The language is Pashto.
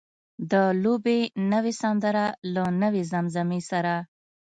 د لوبې نوې سندره له نوې زمزمې سره.